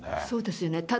そうですよね。